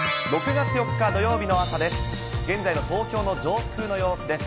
６月４日土曜日の朝です。